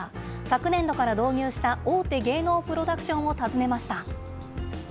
昨年度から導入した大手芸能プロダクションを訪ねました。